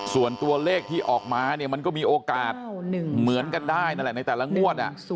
ส่วนตัวเลขที่ออกมาเนี่ยมันก็มีโอกาสเหมือนกันได้นั่นแหละในแต่ละงวด